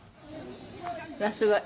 うわすごい。